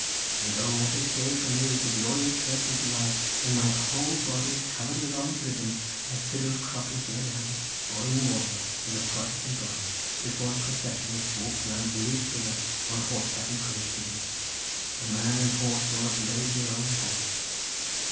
And O, what a day for me was the glorious first of July when with my whole body covered with Orange ribbons I fiddled 'Croppies Lie Down'—'Boyne Water,' and the 'Protestant Boys' before the procession which walked round Willie's figure on horseback in College Green, the man and horse all ablaze with Orange colours.